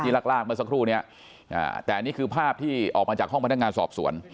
ลากลากเมื่อสักครู่นี้แต่อันนี้คือภาพที่ออกมาจากห้องพนักงานสอบสวน